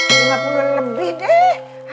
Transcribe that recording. lima puluhan lebih deh